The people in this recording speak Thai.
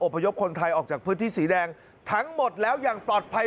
พยพคนไทยออกจากพื้นที่สีแดงทั้งหมดแล้วอย่างปลอดภัย